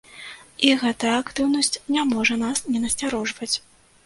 І гэтая актыўнасць не можа нас не насцярожваць.